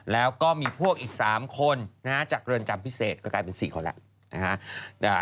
แล้วก็มีพวกอีก๓คนจากเรือนจำพิเศษก็กลายเป็น๔คนแล้วนะฮะ